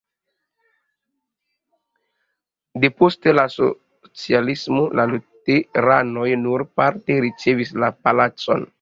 Depost la socialismo la luteranoj nur parte rericevis la palacon.